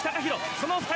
その２人